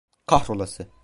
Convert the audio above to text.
Kahrolası!